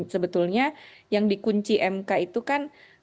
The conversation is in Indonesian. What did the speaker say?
sebetulnya yang dikunci mk itu kan